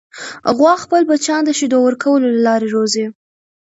غوا خپل بچیان د شیدو ورکولو له لارې روزي.